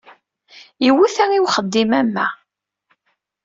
Iwuta i uxeddim am wa.